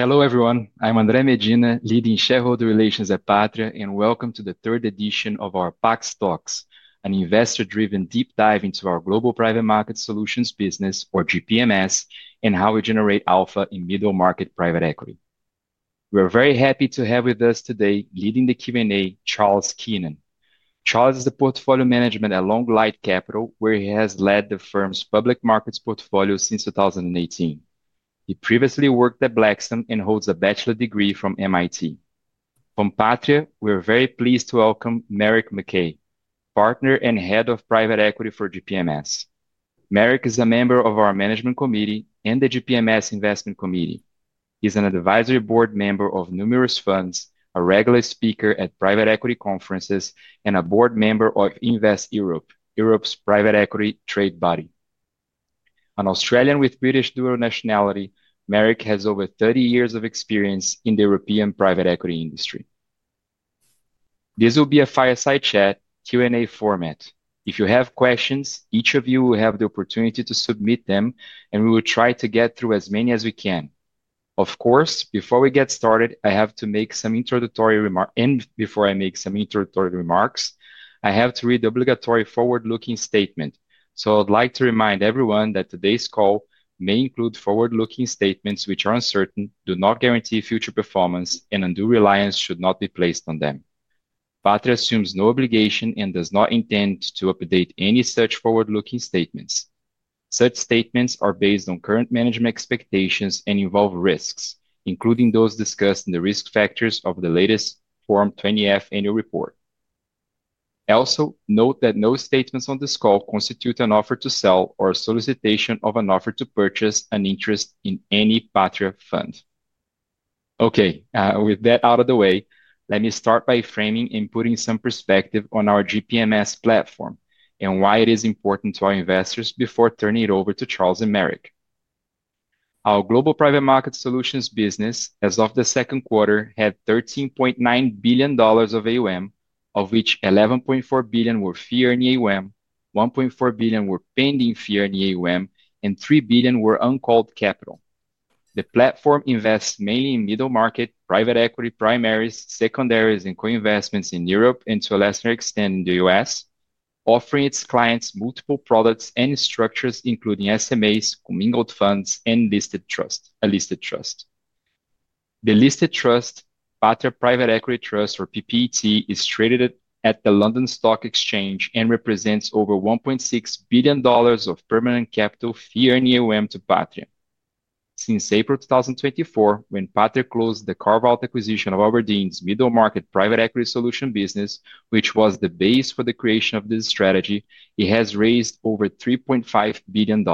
Hello everyone, I'm Andre Medina, leading shareholder relations at Patria, and welcome to the third edition of our PAX Talks, an investor-driven deep dive into our Global Private Markets Solutions business, or GPMS, and how we generate alpha in middle-market private equity. We're very happy to have with us today, leading the Q&A, Charles Queenan. Charles is a Portfolio Manager at Long Light Capital, where he has led the firm's public markets portfolio since 2018. He previously worked at Blackstone and holds a bachelor's degree from MIT. From Patria, we're very pleased to welcome Merrick McKay, Partner and Head of Private Equity for GPMS. Merrick is a member of our Management Committee and the GPMS Investment Committee. He's an advisory board member of numerous funds, a regular speaker at private equity conferences, and a board member of Invest Europe, Europe's private equity trade body. An Australian with British dual nationality, Merrick has over 30 years of experience in the European private equity industry. This will be a fireside chat Q&A format. If you have questions, each of you will have the opportunity to submit them, and we will try to get through as many as we can. Of course, before we get started, I have to make some introductory remarks. I have to read the obligatory forward-looking statement. I'd like to remind everyone that today's call may include forward-looking statements which are uncertain, do not guarantee future performance, and undue reliance should not be placed on them. Patria assumes no obligation and does not intend to update any such forward-looking statements. Such statements are based on current management expectations and involve risks, including those discussed in the risk factors of the latest Form 20-F annual report. Also, note that no statements on this call constitute an offer to sell or a solicitation of an offer to purchase an interest in any Patria fund. With that out of the way, let me start by framing and putting some perspective on our GPMS platform and why it is important to our investors before turning it over to Charles and Merrick. Our Global Private Markets Solutions business, as of the second quarter, had $13.9 billion of AUM, of which $11.4 billion were fee-earning AUM, $1.4 billion were pending fee-earning AUM, and $3 billion were uncalled capital. The platform invests mainly in middle-market private equity primaries, secondaries, and co-investments in Europe and to a lesser extent in the U.S., offering its clients multiple products and structures, including SMAs, commingled funds, and a listed trust. The listed trust, Patria Private Equity Trust, or PPET, is traded at the London Stock Exchange and represents over $1.6 billion of permanent capital fee-earning AUM to Patria. Since April 2024, when Patria closed the carve-out acquisition of Aberdeen's middle-market private equity solutions business, which was the base for the creation of this strategy, it has raised over $3.5 billion.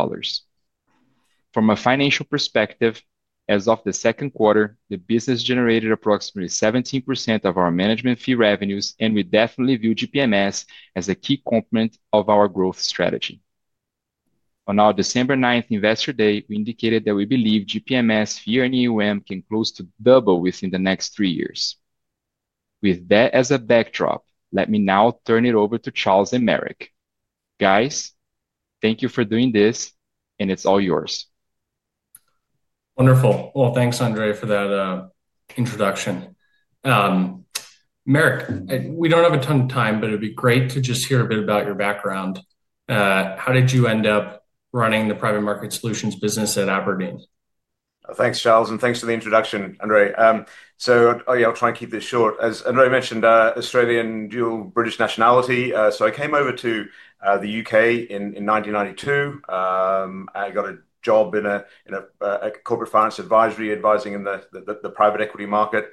From a financial perspective, as of the second quarter, the business generated approximately 17% of our management fee revenues, and we definitely view GPMS as a key component of our growth strategy. On our December 9th Investor Day, we indicated that we believe GPMS fee-earning AUM can close to double within the next three years. With that as a backdrop, let me now turn it over to Charles and Merrick. Guys, thank you for doing this, and it's all yours. Wonderful. Thanks, Andre, for that introduction. Merrick, we don't have a ton of time, but it'd be great to just hear a bit about your background. How did you end up running the private market solutions business at Aberdeen? Thanks, Charles, and thanks for the introduction, Andre. I'll try and keep this short. As Andre mentioned, Australian dual British nationality. I came over to the U.K. in 1992. I got a job in a corporate finance advisory advising in the private equity market.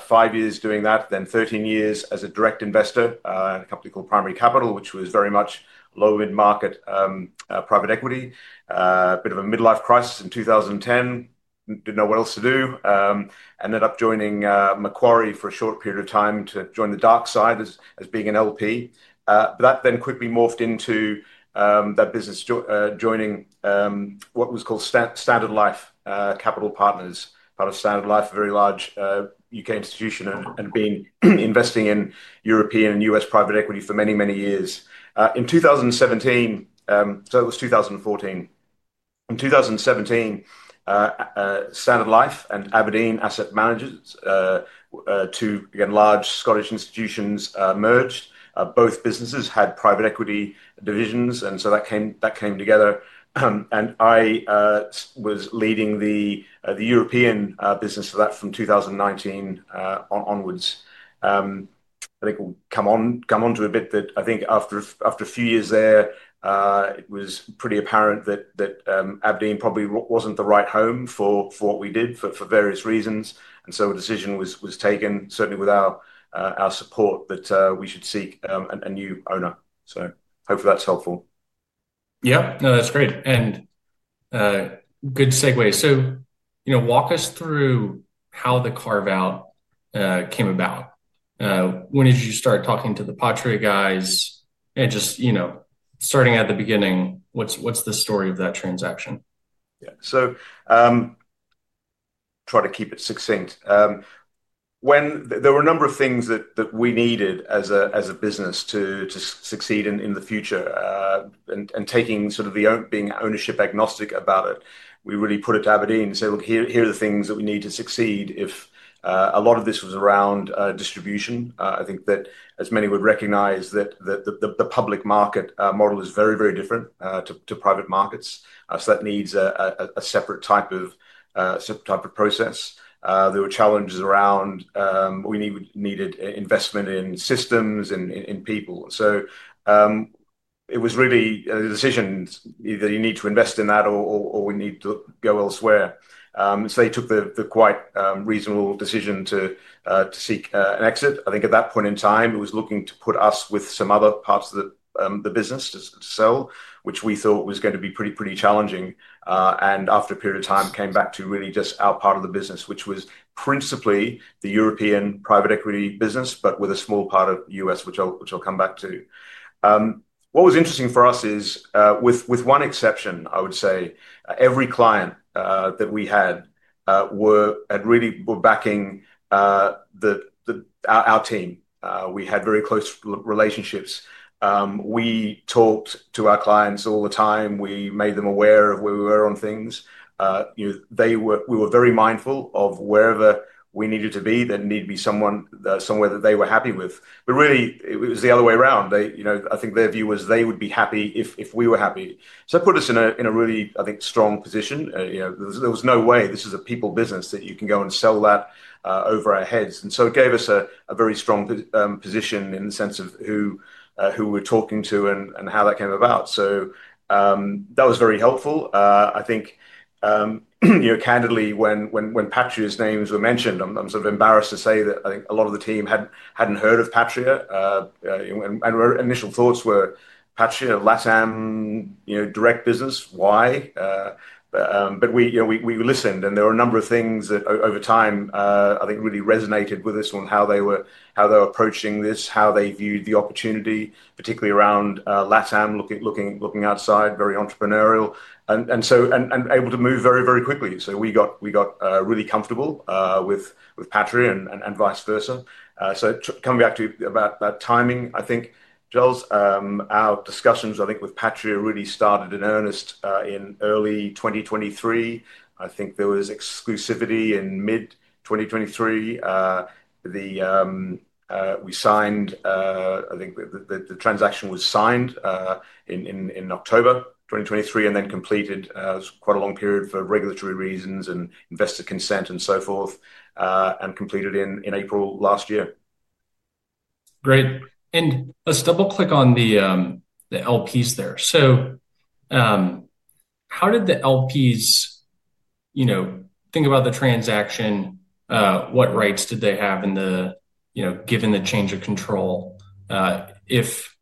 Five years doing that, then 13 years as a direct investor at a company called Primary Capital, which was very much low-end market private equity. A bit of a midlife crisis in 2010. Didn't know what else to do. Ended up joining Macquarie for a short period of time to join the dark side as being an LP. That then quickly morphed into that business joining what was called Standard Life Capital Partners, part of Standard Life, a very large U.K. institution, and been investing in European and U.S. private equity for many, many years. In 2017, it was 2014. In 2017, Standard Life and Aberdeen, two large Scottish institutions, merged. Both businesses had private equity divisions, and that came together. I was leading the European business for that from 2019 onwards. I think we'll come on to a bit that after a few years there, it was pretty apparent that Aberdeen probably wasn't the right home for what we did for various reasons. A decision was taken, certainly with our support, that we should seek a new owner. Hopefully that's helpful. Yeah, no, that's great. Good segue. You know, walk us through how the carve-out came about. When did you start talking to the Patria guys? Just, you know, starting at the beginning, what's the story of that transaction? Yeah, so try to keep it succinct. There were a number of things that we needed as a business to succeed in the future. Taking sort of the ownership agnostic about it, we really put it to Aberdeen and said, look, here are the things that we need to succeed. A lot of this was around distribution. I think that, as many would recognize, the public market model is very, very different to private markets. That needs a separate type of process. There were challenges around we needed investment in systems and in people. It was really a decision that you need to invest in that or we need to go elsewhere. They took the quite reasonable decision to seek an exit. I think at that point in time, it was looking to put us with some other parts of the business to sell, which we thought was going to be pretty, pretty challenging. After a period of time, came back to really just our part of the business, which was principally the European private equity business, but with a small part of the U.S., which I'll come back to. What was interesting for us is, with one exception, I would say, every client that we had had really been backing our team. We had very close relationships. We talked to our clients all the time. We made them aware of where we were on things. We were very mindful of wherever we needed to be, there needed to be somewhere that they were happy with. Really, it was the other way around. I think their view was they would be happy if we were happy. That put us in a really, I think, strong position. There was no way this was a people business that you can go and sell that over our heads. It gave us a very strong position in the sense of who we're talking to and how that came about. That was very helpful. I think, candidly, when Patria's names were mentioned, I'm sort of embarrassed to say that I think a lot of the team hadn't heard of Patria. Our initial thoughts were, Patria LATAM, direct business, why? We listened, and there were a number of things that over time, I think, really resonated with us on how they were approaching this, how they viewed the opportunity, particularly around LATAM, looking outside, very entrepreneurial, and able to move very, very quickly. We got really comfortable with Patria and vice versa. Coming back to about that timing, I think, Charles, our discussions, I think, with Patria really started in earnest in early 2023. I think there was exclusivity in mid-2023. We signed, I think the transaction was signed in October 2023 and then completed. It was quite a long period for regulatory reasons and investor consent and so forth, and completed in April last year. Great. Let's double click on the LPs there. How did the LPs think about the transaction? What rights did they have given the change of control? If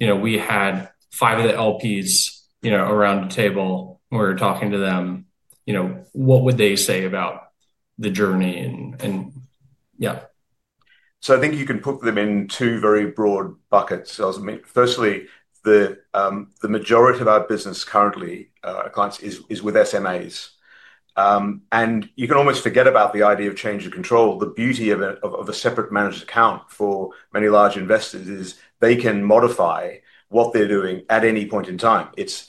we had five of the LPs around the table, we were talking to them, what would they say about the journey and, yeah. I think you can put them in two very broad buckets, Charles. Firstly, the majority of our business currently, our clients, is with SMAs. You can almost forget about the idea of change of control. The beauty of a separate managed account for many large investors is they can modify what they're doing at any point in time. It's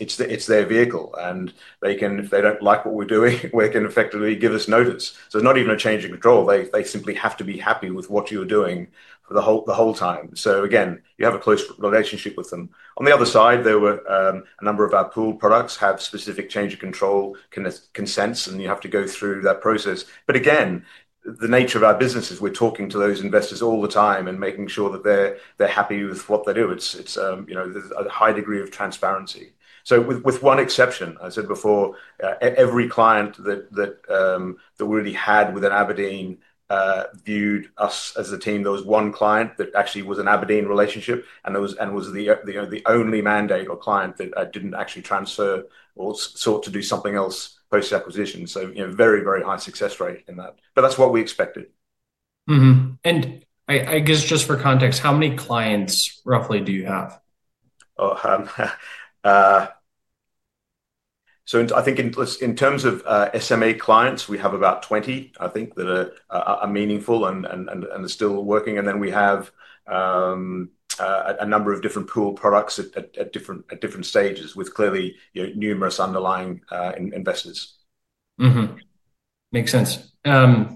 their vehicle, and if they don't like what we're doing, they can effectively give us notice. It's not even a change in control. They simply have to be happy with what you're doing the whole time. You have a close relationship with them. On the other side, a number of our pooled products have specific change of control consents, and you have to go through that process. The nature of our business is we're talking to those investors all the time and making sure that they're happy with what they do. It's a high degree of transparency. With one exception, as I said before, every client that we really had within Aberdeen viewed us as a team. There was one client that actually was an Aberdeen relationship, and it was the only mandate or client that didn't actually transfer or sought to do something else post-acquisition. Very, very high success rate in that. That's what we expected. Just for context, how many clients roughly do you have? I think in terms of SMA clients, we have about 20, I think, that are meaningful and are still working. We have a number of different pooled products at different stages with clearly numerous underlying investors. Makes sense. I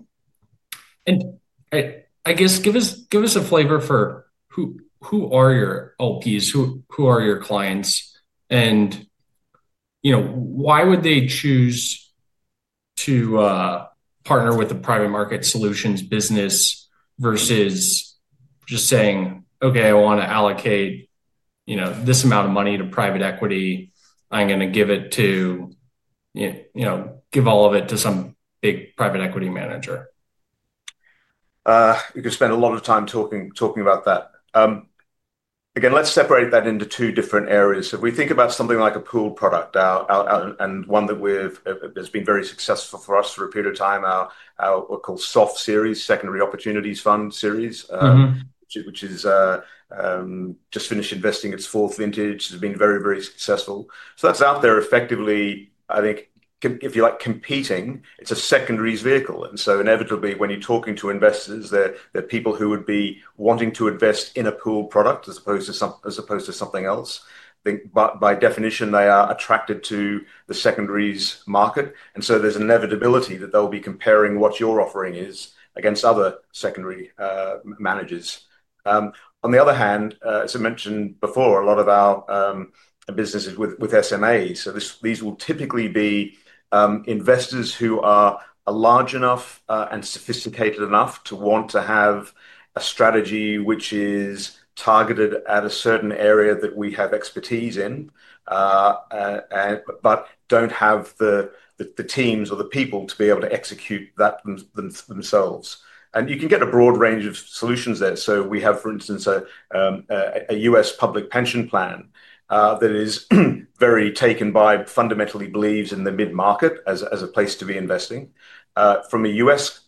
guess give us a flavor for who are your LPs, who are your clients, and you know, why would they choose to partner with the private market solutions business versus just saying, okay, I want to allocate, you know, this amount of money to private equity. I'm going to give it to, you know, give all of it to some big private equity manager. You could spend a lot of time talking about that. Again, let's separate that into two different areas. If we think about something like a pooled product and one that has been very successful for us for a period of time, our what we call SOF series, Secondary Opportunities Fund series, which has just finished investing its fourth vintage, has been very, very successful. That's out there effectively, I think, if you like, competing. It's a secondaries vehicle. Inevitably, when you're talking to investors, there are people who would be wanting to invest in a pooled product as opposed to something else. I think by definition, they are attracted to the secondaries market. There's an inevitability that they'll be comparing what you're offering against other secondary managers. On the other hand, as I mentioned before, a lot of our business is with SMAs. These will typically be investors who are large enough and sophisticated enough to want to have a strategy which is targeted at a certain area that we have expertise in, but don't have the teams or the people to be able to execute that themselves. You can get a broad range of solutions there. We have, for instance, a U.S. public pension plan that is very taken by, fundamentally believes in the mid-market as a place to be investing. From a U.S.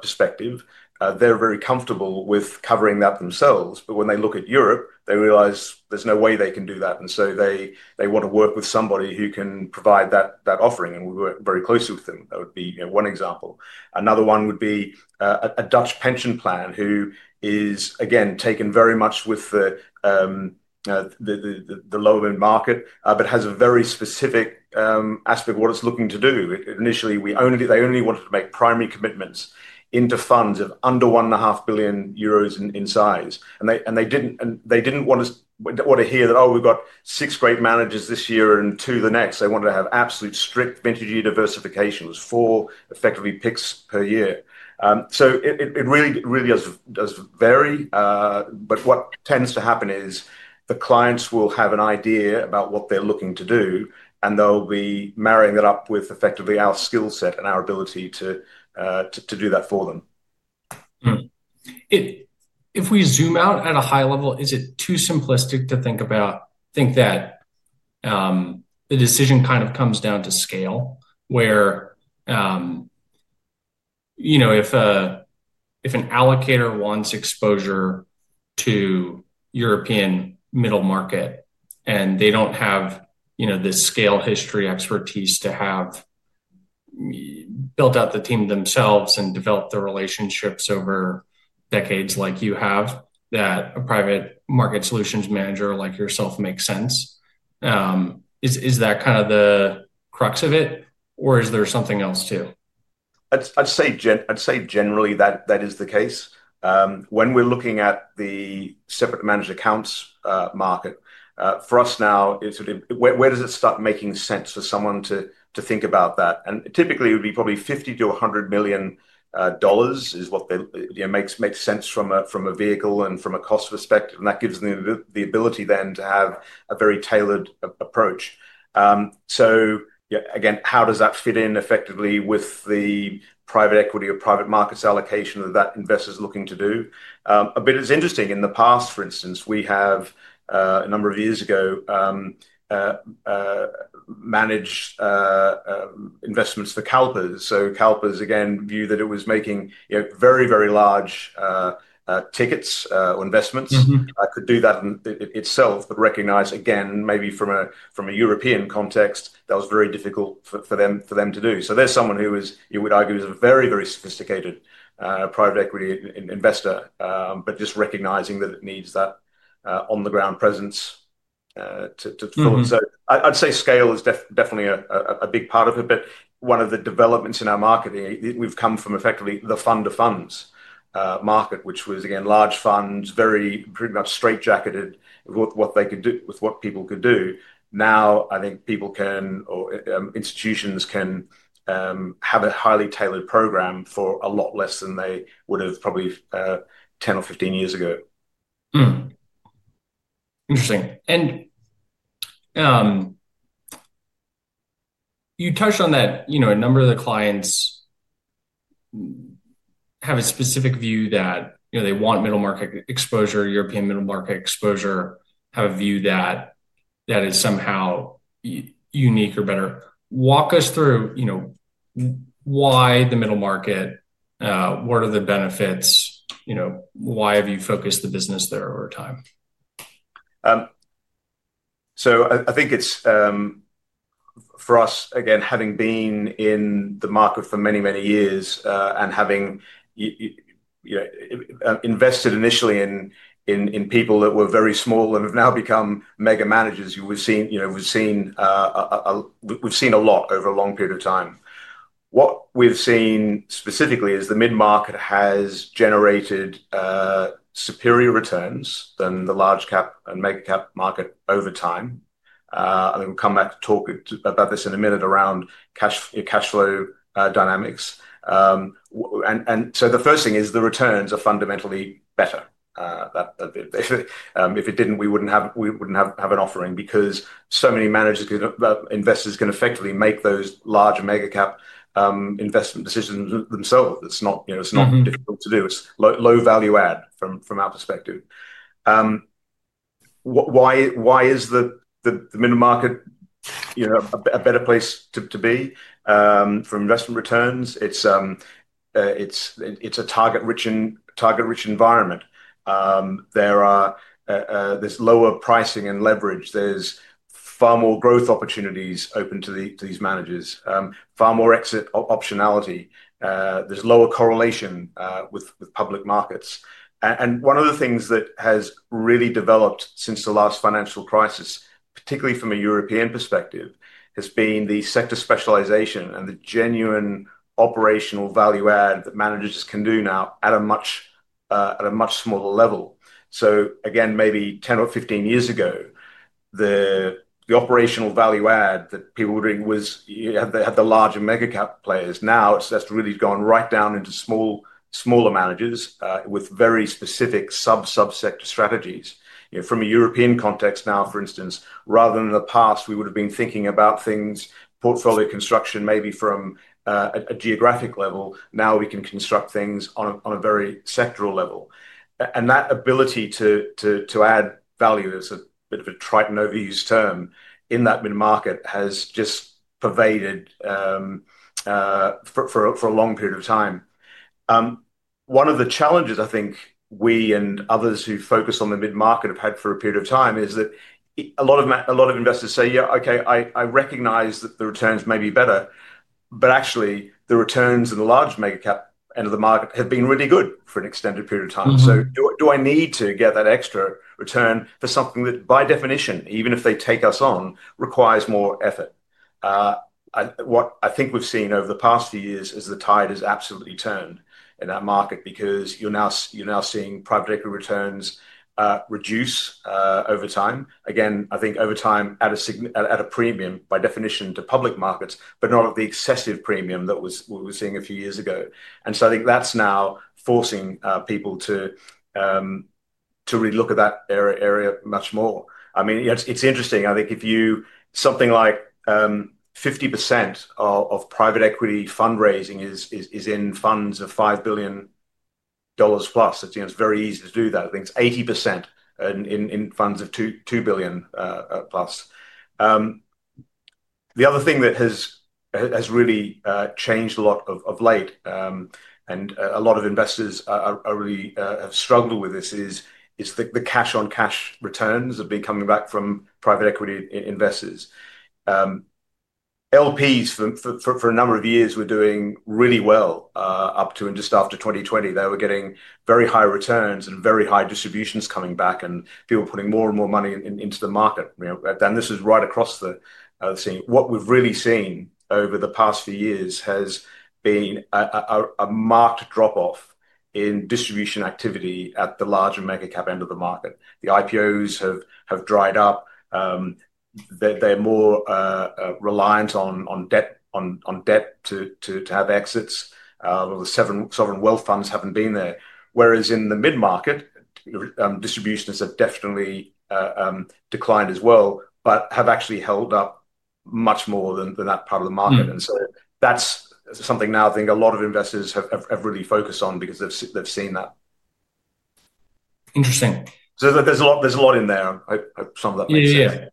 perspective, they're very comfortable with covering that themselves. When they look at Europe, they realize there's no way they can do that. They want to work with somebody who can provide that offering and work very closely with them. That would be one example. Another one would be a Dutch pension plan who is, again, taken very much with the low-end market, but has a very specific aspect of what it's looking to do. Initially, they only wanted to make primary commitments into funds of under 1.5 billion euros in size. They didn't want to hear that, oh, we've got six great managers this year and two the next. They wanted to have absolute strict vintage diversification, four effectively picks per year. It really does vary. What tends to happen is the clients will have an idea about what they're looking to do, and they'll be marrying it up with effectively our skill set and our ability to do that for them. If we zoom out at a high level, is it too simplistic to think about, think that the decision kind of comes down to scale, where, you know, if an allocator wants exposure to European middle-market and they don't have, you know, this scale, history, expertise to have built out the team themselves and developed the relationships over decades like you have, that a private market solutions manager like yourself makes sense. Is that kind of the crux of it, or is there something else too? I'd say generally that is the case. When we're looking at the separate managed accounts market, for us now, where does it start making sense for someone to think about that? Typically, it would be probably $50 million-$100 million is what makes sense from a vehicle and from a cost perspective. That gives them the ability then to have a very tailored approach. Again, how does that fit in effectively with the private equity or private markets allocation that that investor is looking to do? It's interesting, in the past, for instance, we have a number of years ago managed investments for CalPERS. CalPERS, again, knew that it was making very, very large tickets or investments that could do that itself, but recognized, again, maybe from a European context, that was very difficult for them to do. There's someone who is, you would argue, a very, very sophisticated private equity investor, but just recognizing that it needs that on-the-ground presence to thought. I'd say scale is definitely a big part of it. One of the developments in our market, we've come from effectively the fund-to-funds market, which was, again, large funds, very pretty much straightjacketed with what they could do, with what people could do. Now, I think people can, or institutions can, have a highly tailored program for a lot less than they would have probably 10 or 15 years ago. Interesting. You touched on that, you know, a number of the clients have a specific view that, you know, they want middle-market exposure, European middle-market exposure, have a view that that is somehow unique or better. Walk us through, you know, why the middle market, what are the benefits, you know, why have you focused the business there over time? I think it's, for us, again, having been in the market for many, many years and having invested initially in people that were very small and have now become mega managers, we've seen a lot over a long period of time. What we've seen specifically is the mid-market has generated superior returns than the large cap and mega cap market over time. I think we'll come back to talk about this in a minute around cash flow dynamics. The first thing is the returns are fundamentally better. If it didn't, we wouldn't have an offering because so many managers and investors can effectively make those large mega cap investment decisions themselves. It's not difficult to do. It's low value add from our perspective. Why is the middle market a better place to be from investment returns? It's a target-rich environment. There's lower pricing and leverage. There's far more growth opportunities open to these managers, far more exit optionality. There's lower correlation with public markets. One of the things that has really developed since the last financial crisis, particularly from a European perspective, has been the sector specialization and the genuine operational value add that managers can do now at a much smaller level. Maybe 10 or 15 years ago, the operational value add that people were doing was they had the larger mega cap players. Now it's just really gone right down into small, smaller managers with very specific sub-sub-sector strategies. From a European context now, for instance, rather than in the past, we would have been thinking about things, portfolio construction maybe from a geographic level. Now we can construct things on a very sectoral level. That ability to add value is a bit of a trite novice term in that mid-market has just pervaded for a long period of time. One of the challenges I think we and others who focus on the mid-market have had for a period of time is that a lot of investors say, yeah, okay, I recognize that the returns may be better, but actually the returns in the large mega cap end of the market have been really good for an extended period of time. Do I need to get that extra return for something that by definition, even if they take us on, requires more effort? What I think we've seen over the past few years is the tide has absolutely turned in our market because you're now seeing private equity returns reduce over time. Again, I think over time at a premium by definition to public markets, but not at the excessive premium that we were seeing a few years ago. I think that's now forcing people to really look at that area much more. It's interesting. I think if you, something like 50% of private equity fundraising is in funds of $5+ billion, it's very easy to do that. I think it's 80% in funds of $2+ billion. The other thing that has really changed a lot of late, and a lot of investors really have struggled with this, is the cash-on-cash returns of coming back from private equity investors. LPs for a number of years were doing really well up to and just after 2020. They were getting very high returns and very high distributions coming back and people putting more and more money into the market. This is right across the scene. What we've really seen over the past few years has been a marked drop-off in distribution activity at the larger mega cap end of the market. The IPOs have dried up. They're more reliant on debt to have exits. The sovereign wealth funds haven't been there. Whereas in the mid-market, distributions have definitely declined as well, but have actually held up much more than that part of the market. That's something now I think a lot of investors have really focused on because they've seen that. Interesting. There's a lot in there. I hope some of that makes sense.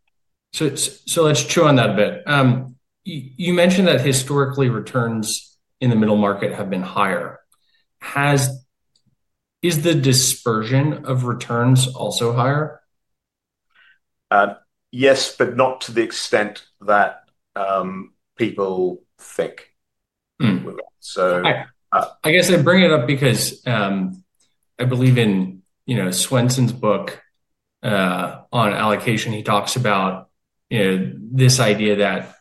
Yeah. Let's chew on that a bit. You mentioned that historically returns in the middle-market have been higher. Is the dispersion of returns also higher? Yes, but not to the extent that people think. I guess I bring it up because I believe in Swensen's book on allocation, he talks about this idea that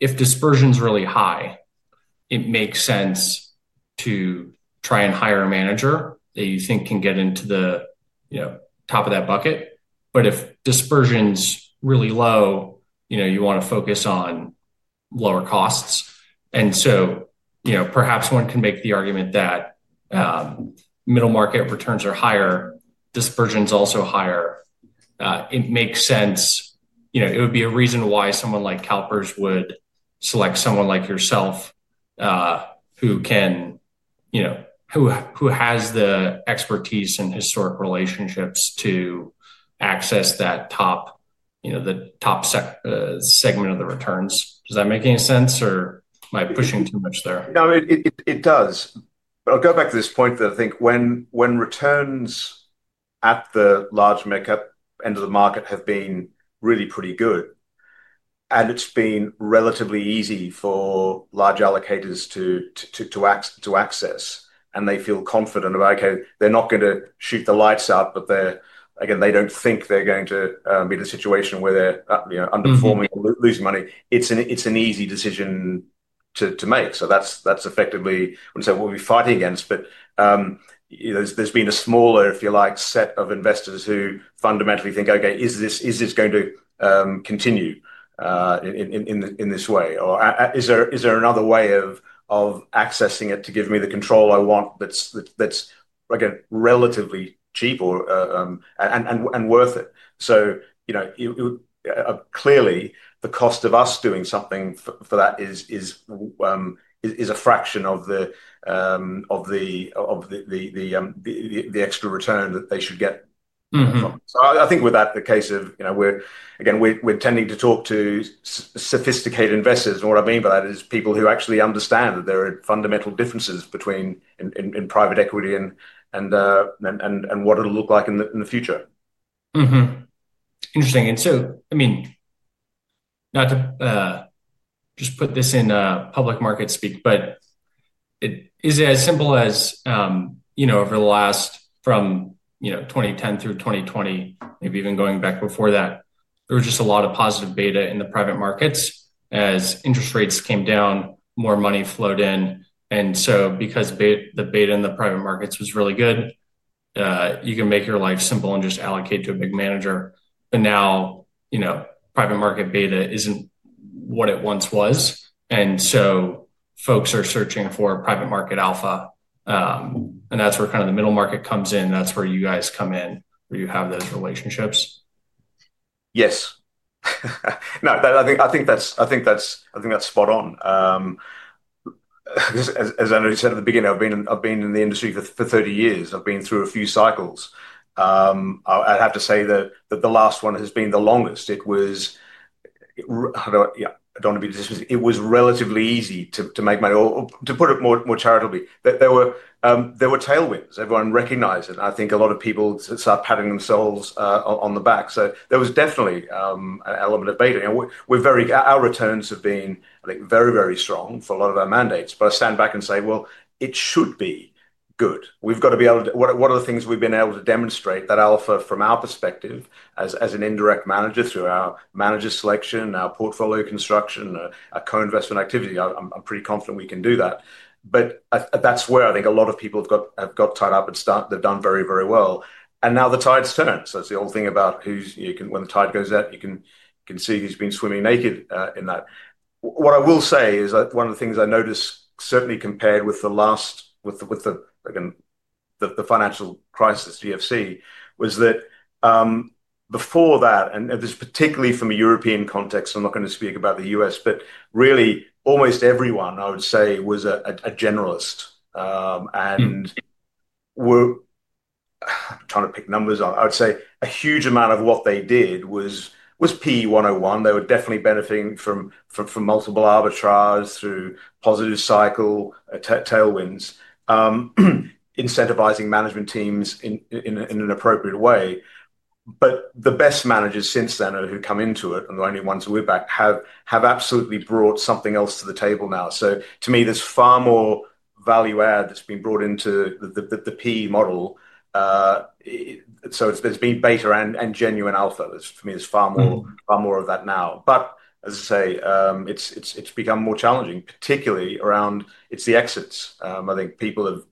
if dispersion is really high, it makes sense to try and hire a manager that you think can get into the top of that bucket. If dispersion is really low, you want to focus on lower costs. Perhaps one can make the argument that middle-market returns are higher, dispersion is also higher. It makes sense. It would be a reason why someone like CalPERS would select someone like yourself who has the expertise and historic relationships to access that top, the top segment of the returns. Does that make any sense or am I pushing too much there? No, it does. I'll go back to this point that I think when returns at the large makeup end of the market have been really pretty good, and it's been relatively easy for large allocators to access, and they feel confident about, okay, they're not going to shoot the lights out, but again, they don't think they're going to be in a situation where they're underperforming, losing money. It's an easy decision to make. That's effectively what we're fighting against. There's been a smaller, if you like, set of investors who fundamentally think, okay, is this going to continue in this way? Is there another way of accessing it to give me the control I want that's relatively cheap and worth it? Clearly, the cost of us doing something for that is a fraction of the extra return that they should get from it. I think with that, the case of, again, we're tending to talk to sophisticated investors. What I mean by that is people who actually understand that there are fundamental differences between private equity and what it'll look like in the future. Interesting. Not to just put this in public market speak, but is it as simple as, you know, over the last, from 2010 through 2020, maybe even going back before that, there was just a lot of positive beta in the private markets. As interest rates came down, more money flowed in. Because the beta in the private markets was really good, you can make your life simple and just allocate to a big manager. Now, private market beta isn't what it once was, and folks are searching for private market alpha. That's where kind of the middle market comes in. That's where you guys come in, where you have those relationships. Yes. No, I think that's spot on. As Andre said at the beginning, I've been in the industry for 30 years. I've been through a few cycles. I'd have to say that the last one has been the longest. I don't want to be dismissive, it was relatively easy to make money, or to put it more charitably, there were tailwinds. Everyone recognized it. I think a lot of people started patting themselves on the back. There was definitely an element of beta. Our returns have been very, very strong for a lot of our mandates. I stand back and say, it should be good. We've got to be able to, what are the things we've been able to demonstrate that alpha from our perspective as an indirect manager through our manager selection, our portfolio construction, our co-investment activity? I'm pretty confident we can do that. That's where I think a lot of people have got tied up and they've done very, very well. Now the tide's turned. It's the old thing about when the tide goes out, you can see who's been swimming naked in that. What I will say is that one of the things I noticed, certainly compared with the last, with the financial crisis, GFC, was that before that, and this is particularly from a European context, I'm not going to speak about the U.S., but really almost everyone, I would say, was a generalist. We're trying to pick numbers on, I would say a huge amount of what they did was PE 101. They were definitely benefiting from multiple arbitrages through positive cycle tailwinds, incentivizing management teams in an appropriate way. The best managers since then, who come into it, and the only ones who are back, have absolutely brought something else to the table now. To me, there's far more value add that's been brought into the PE model. There's been beta and genuine alpha. For me, there's far more of that now. As I say, it's become more challenging, particularly around the exits. I think people have,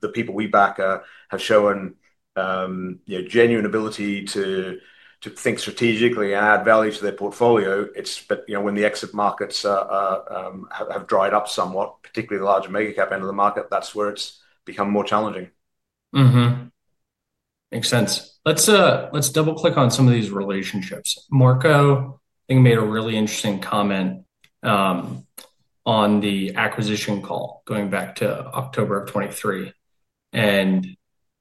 the people we back have shown genuine ability to think strategically and add value to their portfolio. When the exit markets have dried up somewhat, particularly the larger mega cap end of the market, that's where it's become more challenging. Makes sense. Let's double click on some of these relationships. Marco made a really interesting comment on the acquisition call going back to October of 2023.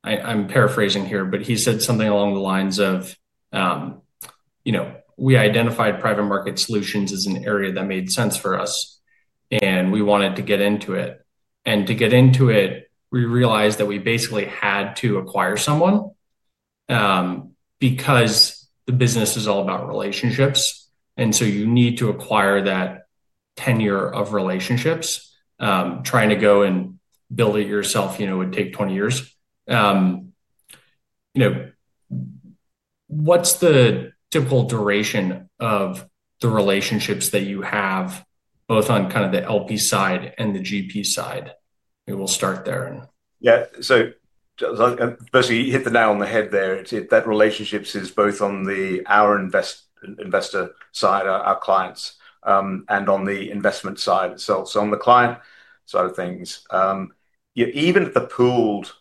I'm paraphrasing here, but he said something along the lines of, you know, we identified private market solutions as an area that made sense for us, and we wanted to get into it. To get into it, we realized that we basically had to acquire someone because the business is all about relationships. You need to acquire that tenure of relationships. Trying to go and build it yourself would take 20 years. What's the typical duration of the relationships that you have, both on kind of the LP side and the GP side? Maybe we'll start there. Yeah, so basically you hit the nail on the head there. That relationship is both on our investor side, our clients, and on the investment side itself. On the client side of things, even at the pooled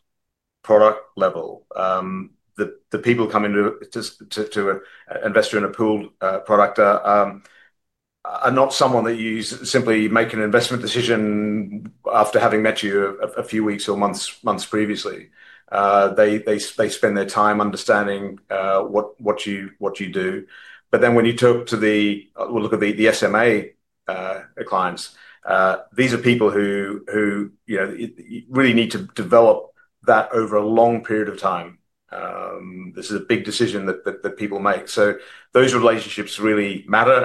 product level, the people coming to invest in a pooled product are not someone that you simply make an investment decision after having met you a few weeks or months previously. They spend their time understanding what you do. When you look at the SMA clients, these are people who really need to develop that over a long period of time. This is a big decision that people make. Those relationships really matter.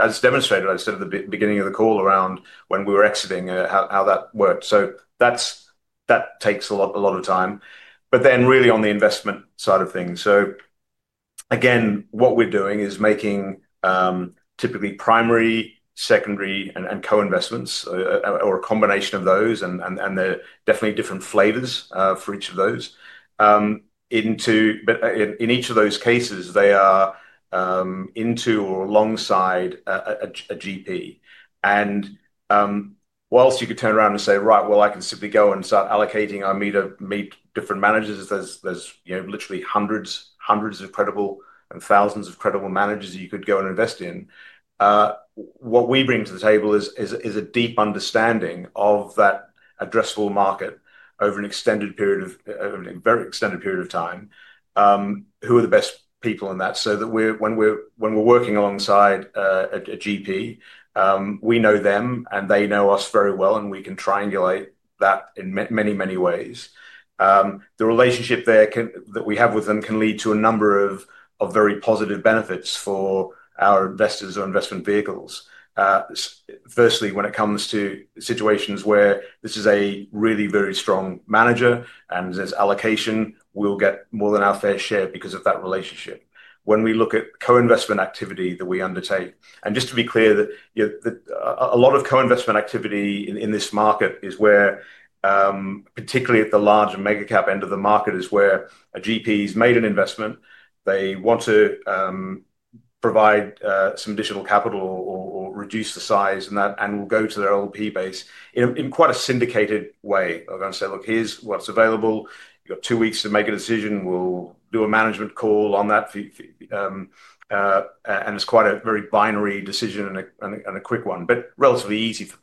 As demonstrated, I said at the beginning of the call around when we were exiting, how that worked. That takes a lot of time. On the investment side of things, what we're doing is making typically primary, secondary, and co-investments or a combination of those, and there are definitely different flavors for each of those. In each of those cases, they are into or alongside a GP. Whilst you could turn around and say, right, well, I can simply go and start allocating, I meet different managers. There are literally hundreds of credible and thousands of credible managers you could go and invest in. What we bring to the table is a deep understanding of that addressable market over an extended period of time. Who are the best people in that? When we're working alongside a GP, we know them and they know us very well, and we can triangulate that in many, many ways. The relationship there that we have with them can lead to a number of very positive benefits for our investors or investment vehicles. Firstly, when it comes to situations where this is a really very strong manager and there's allocation, we'll get more than our fair share because of that relationship. When we look at co-investment activity that we undertake, and just to be clear, a lot of co-investment activity in this market is where, particularly at the large mega cap end of the market, a GP has made an investment. They want to provide some additional capital or reduce the size and that will go to their LP base in quite a syndicated way. They're going to say, look, here's what's available. You've got two weeks to make a decision. We'll do a management call on that. It's quite a very binary decision and a quick one, but relatively easy for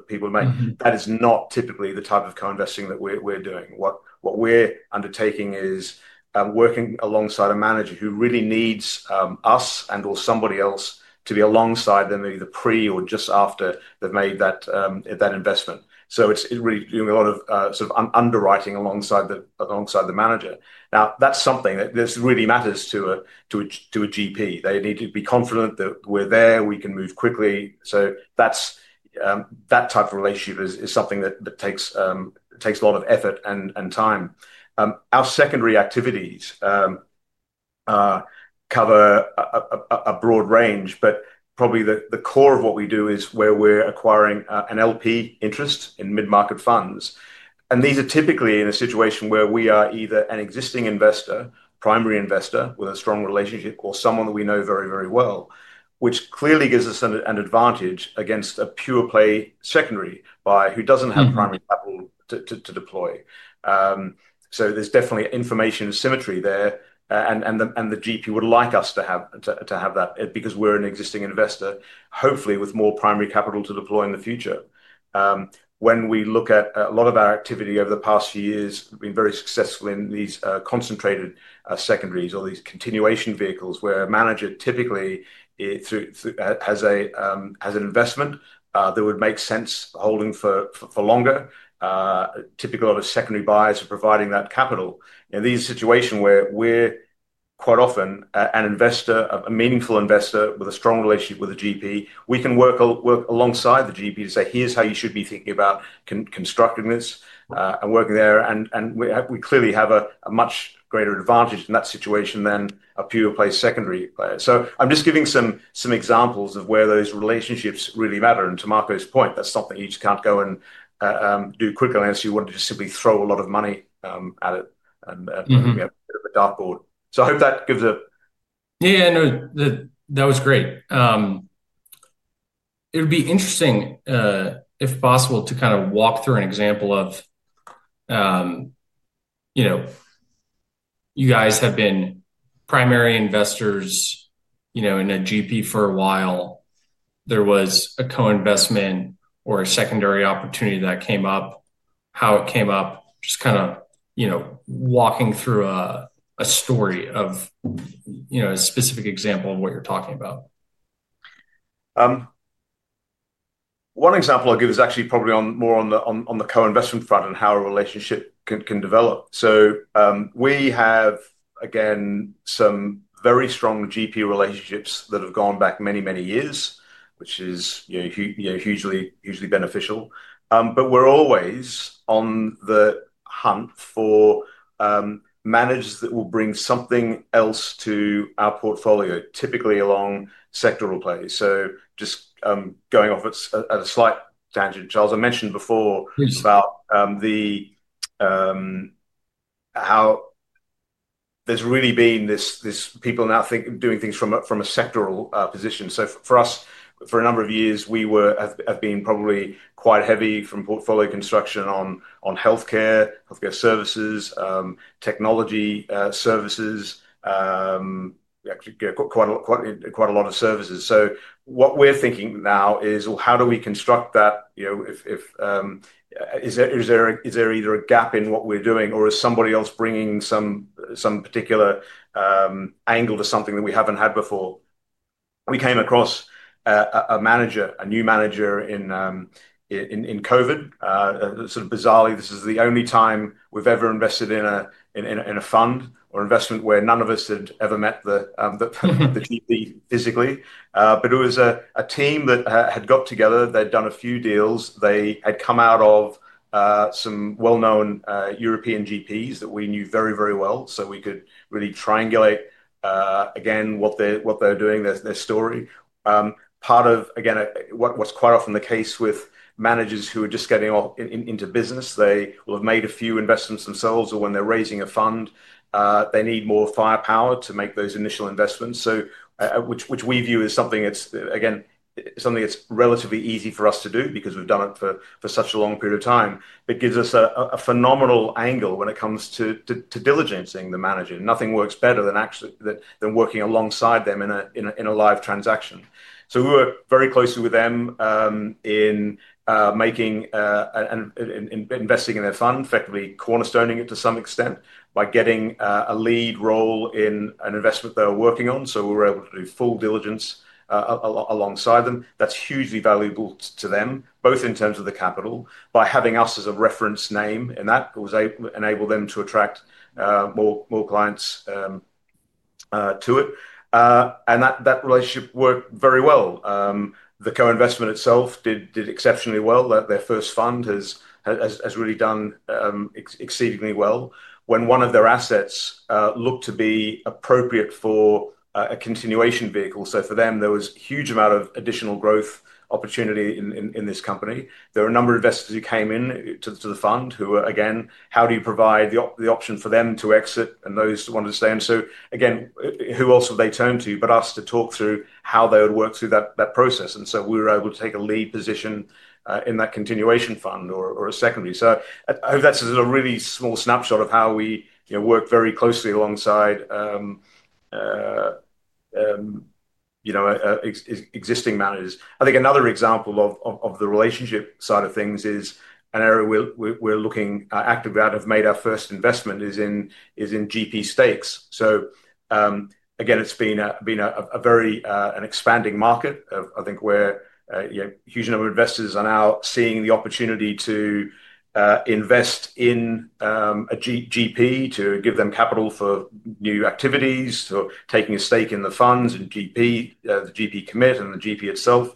people to make. That is not typically the type of co-investing that we're doing. What we're undertaking is working alongside a manager who really needs us and or somebody else to be alongside them either pre or just after they've made that investment. It's really doing a lot of sort of underwriting alongside the manager. That's something that really matters to a GP. They need to be confident that we're there, we can move quickly. That type of relationship is something that takes a lot of effort and time. Our secondary activities cover a broad range, but probably the core of what we do is where we're acquiring an LP interest in mid-market funds. These are typically in a situation where we are either an existing investor, primary investor with a strong relationship, or someone that we know very, very well, which clearly gives us an advantage against a pure play secondary buyer who doesn't have primary capital to deploy. There's definitely information symmetry there, and the GP would like us to have that because we're an existing investor, hopefully with more primary capital to deploy in the future. When we look at a lot of our activity over the past few years, we've been very successful in these concentrated secondaries or these continuation vehicles where a manager typically has an investment that would make sense holding for longer. Typically, a lot of secondary buyers are providing that capital. In these situations where we're quite often an investor, a meaningful investor with a strong relationship with a GP, we can work alongside the GP to say, here's how you should be thinking about constructing this and working there. We clearly have a much greater advantage in that situation than a pure play secondary player. I'm just giving some examples of where those relationships really matter. To Marco's point, that's something you just can't go and do quickly unless you want to just simply throw a lot of money at it and have a bit of a dartboard. I hope that gives a. Yeah, that was great. It would be interesting, if possible, to kind of walk through an example of, you know, you guys have been primary investors in a GP for a while. There was a co-investment or a secondary opportunity that came up, how it came up, just kind of walking through a story of a specific example of what you're talking about. One example I'll give is actually probably more on the co-investment front and how a relationship can develop. We have, again, some very strong GP relationships that have gone back many, many years, which is hugely beneficial. We're always on the hunt for managers that will bring something else to our portfolio, typically along sectoral plays. Just going off at a slight tangent, Charles, I mentioned before about how there's really been this, people are now doing things from a sectoral position. For us, for a number of years, we have been probably quite heavy from portfolio construction on healthcare, healthcare services, technology services. We actually get quite a lot of services. What we're thinking now is, how do we construct that? Is there either a gap in what we're doing or is somebody else bringing some particular angle to something that we haven't had before? We came across a manager, a new manager in COVID. Bizarrely, this is the only time we've ever invested in a fund or investment where none of us had ever met the GP physically. It was a team that had got together. They'd done a few deals. They had come out of some well-known European GPs that we knew very, very well. We could really triangulate, again, what they're doing, their story. Part of what's quite often the case with managers who are just getting into business, they will have made a few investments themselves or when they're raising a fund, they need more firepower to make those initial investments, which we view as something that's relatively easy for us to do because we've done it for such a long period of time. It gives us a phenomenal angle when it comes to diligencing the manager. Nothing works better than actually working alongside them in a live transaction. We were very close with them in making and investing in their fund, effectively cornerstoning it to some extent by getting a lead role in an investment they were working on. We were able to do full diligence alongside them. That's hugely valuable to them, both in terms of the capital, by having us as a reference name in that. It enabled them to attract more clients to it. That relationship worked very well. The co-investment itself did exceptionally well. Their first fund has really done exceedingly well when one of their assets looked to be appropriate for a continuation vehicle. For them, there was a huge amount of additional growth opportunity in this company. There were a number of investors who came into the fund who were, again, how do you provide the option for them to exit and those who wanted to stay in? Who else would they turn to but us to talk through how they would work through that process? We were able to take a lead position in that continuation fund or a secondary. I hope that's a really small snapshot of how we work very closely alongside existing managers. I think another example of the relationship side of things is an area we're looking actively at. I've made our first investment in GP stakes. It's been a very expanding market. I think where a huge number of investors are now seeing the opportunity to invest in a GP to give them capital for new activities, for taking a stake in the funds and GP, the GP commit and the GP itself.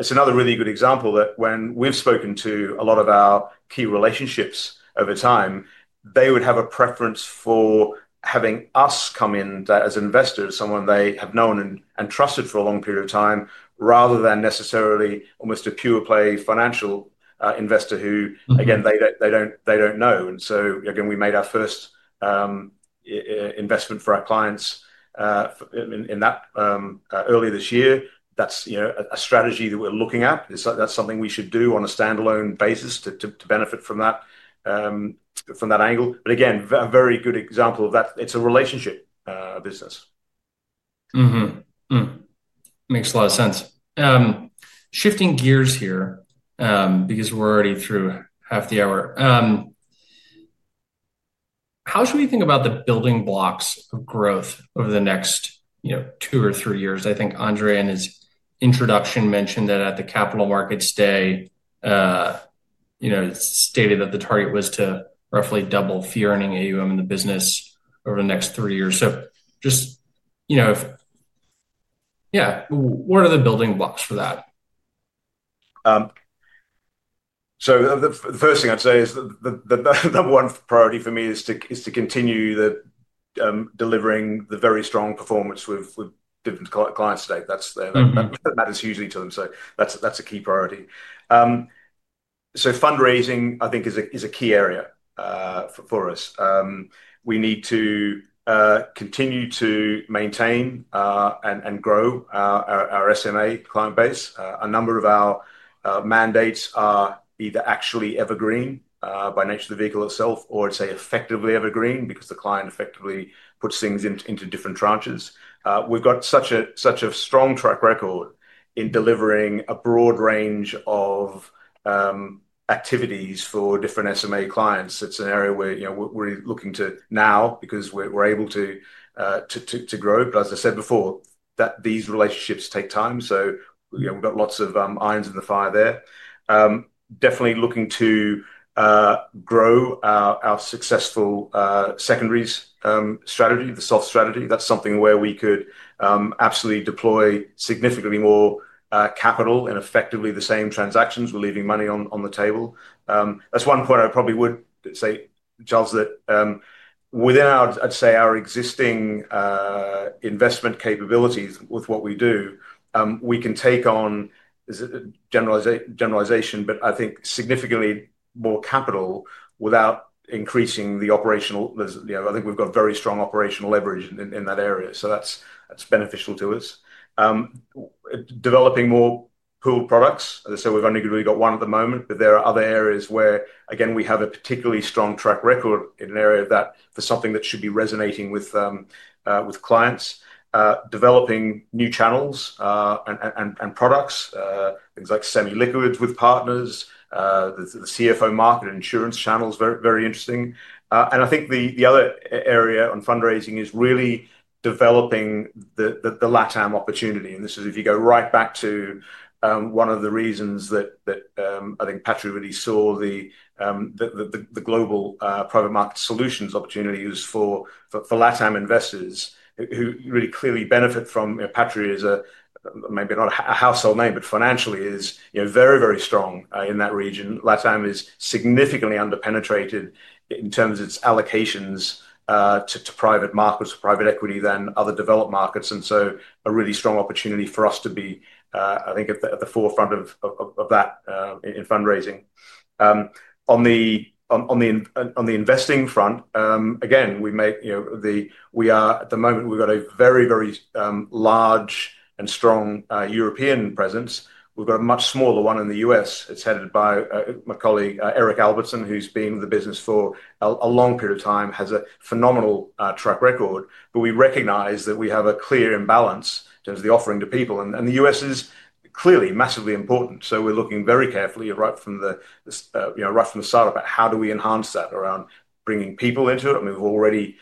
It's another really good example that when we've spoken to a lot of our key relationships over time, they would have a preference for having us come in as investors, someone they have known and trusted for a long period of time, rather than necessarily almost a pure play financial investor who, again, they don't know. We made our first investment for our clients in that early this year. That's a strategy that we're looking at. That's something we should do on a standalone basis to benefit from that angle. A very good example of that. It's a relationship business. Makes a lot of sense. Shifting gears here, because we're already through half the hour, how should we think about the building blocks of growth over the next, you know, two or three years? I think Andre, in his introduction, mentioned that at the Capital Markets Day, you know, stated that the target was to roughly double fee-earning AUM in the business over the next three years. Just, you know, what are the building blocks for that? The first thing I'd say is that the number one priority for me is to continue delivering the very strong performance with different clients today. That matters hugely to them. That's a key priority. Fundraising, I think, is a key area for us. We need to continue to maintain and grow our SMA client base. A number of our mandates are either actually evergreen by nature of the vehicle itself, or it's effectively evergreen because the client effectively puts things into different tranches. We've got such a strong track record in delivering a broad range of activities for different SMA clients. It's an area where we're looking to now because we're able to grow. As I said before, these relationships take time. We've got lots of irons in the fire there. Definitely looking to grow our successful secondaries strategy, the SOF strategy. That's something where we could absolutely deploy significantly more capital in effectively the same transactions, leaving money on the table. That's one point I probably would say, Charles, that within our, I'd say, our existing investment capabilities with what we do, we can take on, it's a generalization, but I think significantly more capital without increasing the operational, you know, I think we've got very strong operational leverage in that area. That's beneficial to us. Developing more pooled products. As I said, we've only really got one at the moment, but there are other areas where, again, we have a particularly strong track record in an area that for something that should be resonating with clients, developing new channels and products, things like semi-liquid with partners, the CFO market and insurance channels, very interesting. I think the other area on fundraising is really developing the LATAM opportunity. If you go right back to one of the reasons that I think Patria really saw the Global Private Markets Solutions opportunities for LATAM investors who really clearly benefit from Patria is a, maybe not a household name, but financially is very, very strong in that region. LATAM is significantly underpenetrated in terms of its allocations to private markets, to private equity than other developed markets. A really strong opportunity for us to be, I think, at the forefront of that in fundraising. On the investing front, again, we make, you know, we are at the moment, we've got a very, very large and strong European presence. We've got a much smaller one in the U.S. It's headed by my colleague Eric Albertson, who's been with the business for a long period of time, has a phenomenal track record. We recognize that we have a clear imbalance in terms of the offering to people. The U.S. is clearly massively important. We're looking very carefully right from the start about how do we enhance that around bringing people into it. We've already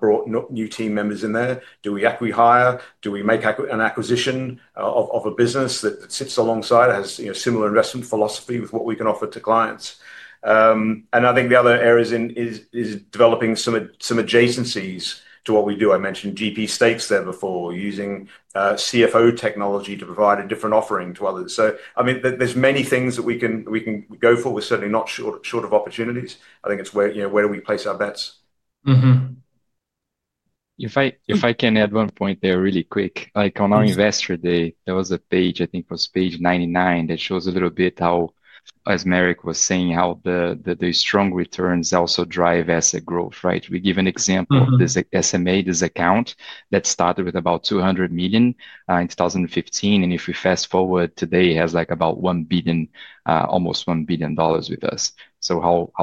brought new team members in there. Do we acquire? Do we make an acquisition of a business that sits alongside and has a similar investment philosophy with what we can offer to clients? I think the other area is developing some adjacencies to what we do. I mentioned GP stakes there before using CFO technology to provide a different offering to others. There are many things that we can go for. We're certainly not short of opportunities. I think it's where do we place our bets? If I can add one point there really quick, like on our Investor Day, there was a page, I think it was page 99, that shows a little bit how, as Merrick was saying, how the strong returns also drive asset growth, right? We give an example of this SMA, this account that started with about $200 million in 2015. If we fast forward to today, it has like about $1 billion, almost $1 billion with us.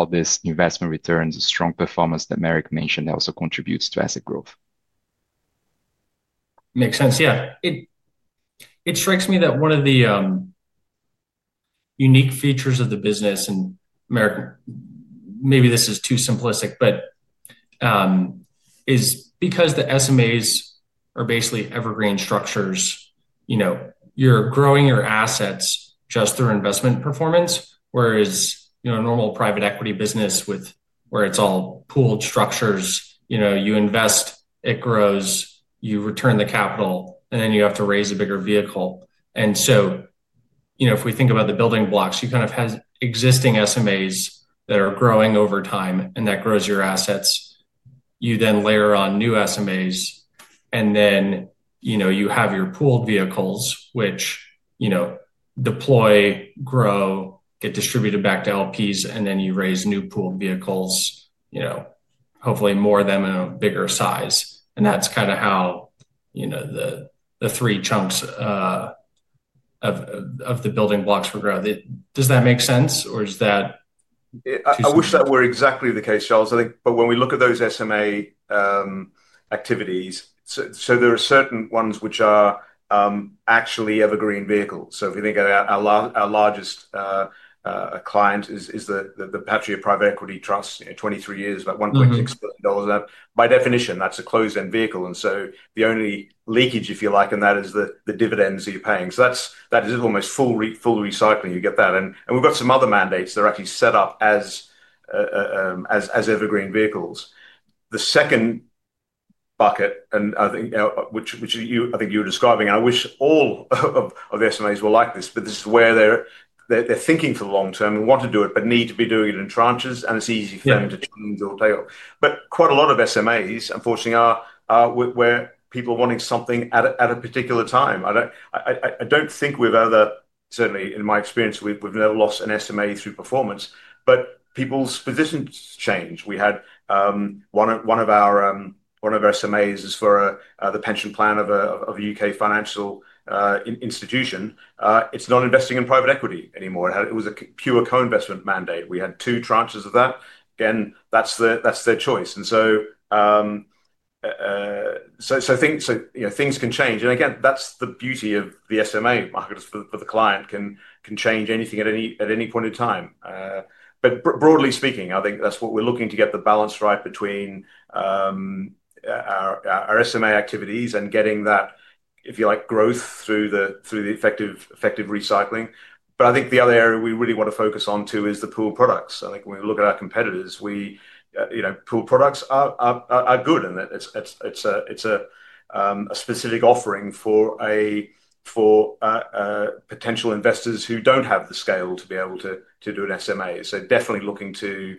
This investment returns, the strong performance that Merrick mentioned, that also contributes to asset growth. Makes sense. Yeah. It strikes me that one of the unique features of the business, and maybe this is too simplistic, is because the SMAs are basically evergreen structures. You know, you're growing your assets just through investment performance, whereas a normal private equity business where it's all pooled structures, you invest, it grows, you return the capital, and then you have to raise a bigger vehicle. If we think about the building blocks, you kind of have existing SMAs that are growing over time, and that grows your assets. You then layer on new SMAs, and then you have your pooled vehicles, which deploy, grow, get distributed back to LPs, and then you raise new pooled vehicles, hopefully more of them in a bigger size. That's kind of how the three chunks of the building blocks for grow. Does that make sense or is that? I wish that were exactly the case, Charles. I think, but when we look at those SMA activities, there are certain ones which are actually evergreen vehicles. If you think about our largest client, it is the Patria Private Equity Trust, you know, 23 years, about $1.6 billion of that. By definition, that's a closed-end vehicle, and the only leakage, if you like, in that is the dividends that you're paying. That is almost full recycling. You get that. We've got some other mandates that are actually set up as evergreen vehicles. The second bucket, which I think you were describing, I wish all of SMAs were like this. This is where they're thinking for the long term and want to do it, but need to be doing it in tranches, and it's easy for them to do it. Quite a lot of SMAs, unfortunately, are where people are wanting something at a particular time. I don't think we've ever, certainly in my experience, we've never lost an SMA through performance, but people's positions change. We had one of our SMAs for the pension plan of a U.K. financial institution. It's not investing in private equity anymore. It was a pure co-investment mandate. We had two tranches of that. Again, that's their choice. Things can change. That's the beauty of the SMA market. The client can change anything at any point in time. Broadly speaking, I think that's what we're looking to get the balance right between our SMA activities and getting that, if you like, growth through the effective recycling. I think the other area we really want to focus on too is the pooled products. When we look at our competitors, pooled products are good, and it's a specific offering for potential investors who don't have the scale to be able to do an SMA. Definitely looking to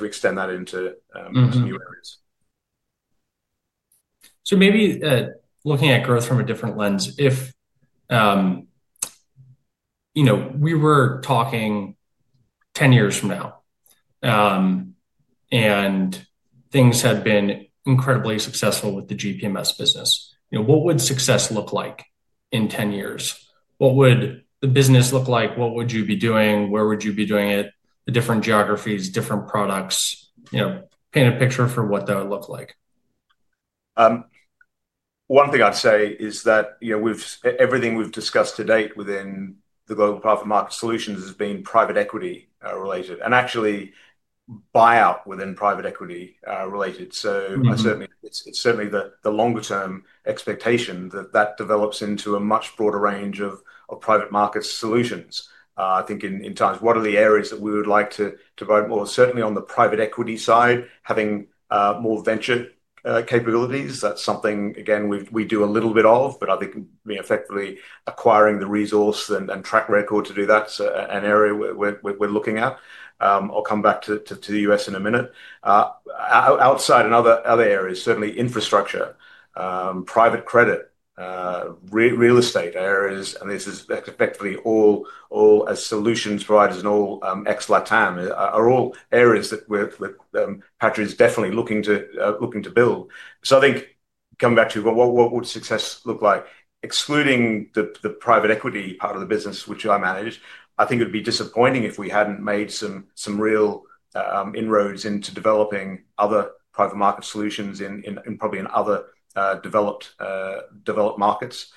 extend that into new areas. Maybe looking at growth from a different lens, if you know we were talking 10 years from now and things had been incredibly successful with the GPMS business, what would success look like in 10 years? What would the business look like? What would you be doing? Where would you be doing it? The different geographies, different products, paint a picture for what that would look like. One thing I'd say is that, you know, everything we've discussed to date within the Global Private Markets Solutions has been private equity related and actually buyout within private equity related. It's certainly the longer-term expectation that that develops into a much broader range of private market solutions. I think in times, what are the areas that we would like to devote more? Certainly on the private equity side, having more venture capabilities. That's something, again, we do a little bit of, but I think effectively acquiring the resource and track record to do that is an area we're looking at. I'll come back to the U.S. in a minute. Outside, another area, certainly infrastructure, private credit, real estate areas, and this is effectively all as solutions providers and all ex-LATAM are all areas that Patria is definitely looking to build. I think coming back to what would success look like, excluding the private equity part of the business, which I manage, it'd be disappointing if we hadn't made some real inroads into developing other private market solutions in probably in other developed markets.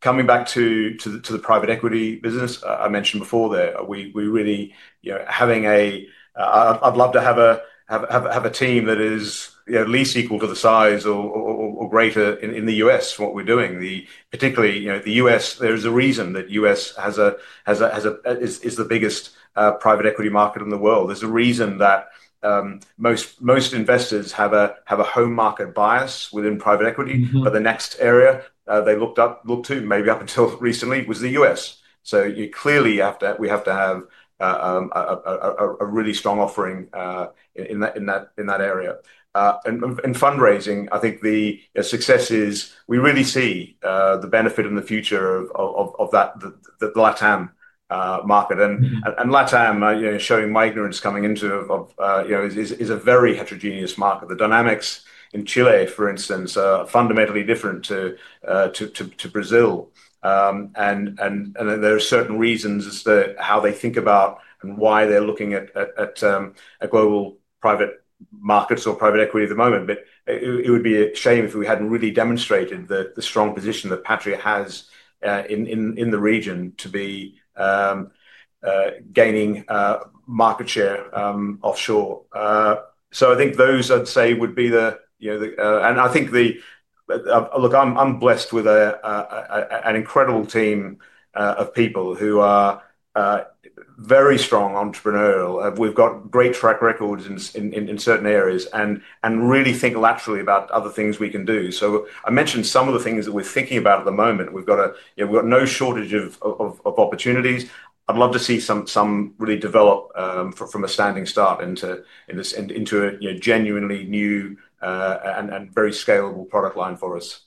Coming back to the private equity business, I mentioned before there, we really, you know, having a, I'd love to have a team that is at least equal to the size or greater in the U.S. from what we're doing. Particularly, you know, the U.S., there's a reason that the U.S. is the biggest private equity market in the world. There's a reason that most investors have a home market bias within private equity. The next area they looked to maybe up until recently was the U.S. Clearly, we have to have a really strong offering in that area. Fundraising, I think the success is we really see the benefit in the future of the LATAM market. LATAM, showing my ignorance coming into it, is a very heterogeneous market. The dynamics in Chile, for instance, are fundamentally different to Brazil. There are certain reasons as to how they think about and why they're looking at global private markets or private equity at the moment. It would be a shame if we hadn't really demonstrated the strong position that Patria has in the region to be gaining market share offshore. I think those, I'd say, would be the, you know, I think, look, I'm blessed with an incredible team of people who are very strong, entrepreneurial. We've got great track records in certain areas and really think laterally about other things we can do. I mentioned some of the things that we're thinking about at the moment. We've got no shortage of opportunities. I'd love to see some really develop from a standing start into a genuinely new and very scalable product line for us.